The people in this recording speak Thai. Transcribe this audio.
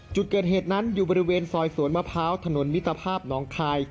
จุดเกิดเหตุนั้นอยู่บริเวณซอยสวนมะพร้าวถนนมิตรภาพน้องคาย